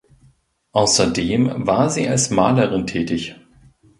Außerdem war sie als Malerin tätig.